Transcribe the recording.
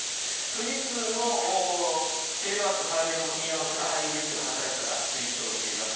富士通もテレワークと対面を組み合わせたハイブリッドな働き方を推奨しています。